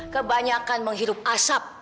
kebanyakan menghirup asap